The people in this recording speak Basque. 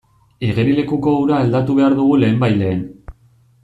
Igerilekuko ura aldatu behar dugu lehenbailehen.